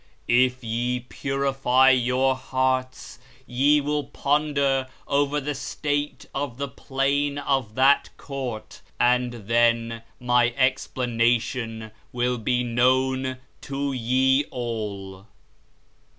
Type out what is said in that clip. If ye purify your hearts, ye will ponder over the state of the Plain of that Court, and then My explanation will be known to ye all.